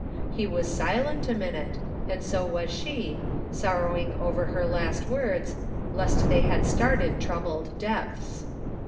He was silent a minute, and so was she, sorrowing over her last words, lest they had started troubled depths.